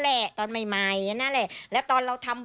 ได้นำเรื่องราวมาแชร์ในโลกโซเชียลจึงเกิดเป็นประเด็นอีกครั้ง